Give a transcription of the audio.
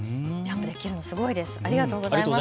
ジャンプできるのすごいです。